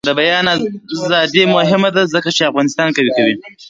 د بیان ازادي مهمه ده ځکه چې افغانستان قوي کوي.